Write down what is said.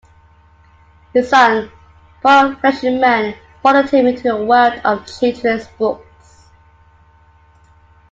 His son Paul Fleischman followed him into the world of children's books.